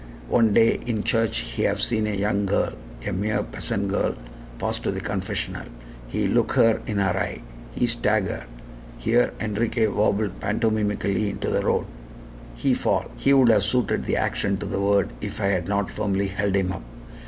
One day in church he have seen a young girl a mere peasant girl pass to the confessional. He look her in her eye, he stagger" here Enriquez wobbled pantomimically into the road "he fall!" he would have suited the action to the word if I had not firmly held him up.